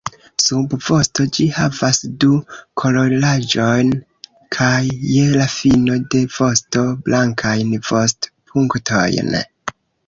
Sub vosto ĝi havas du-koloraĵon kaj je la fino de vosto blankajn vost-punktojn.